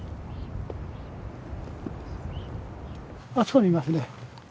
あそこにいますね。